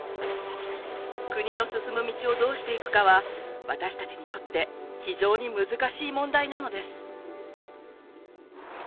国の進む道をどうしていくかは私たちにとって非常に難しい問題なのです。